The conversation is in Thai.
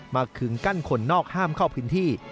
ขึงกั้นคนนอกห้ามเข้าพื้นที่